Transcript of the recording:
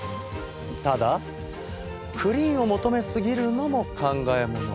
ただクリーンを求めすぎるのも考えもの。